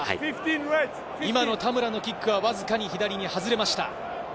今の田村のキックはわずかに左に外れました。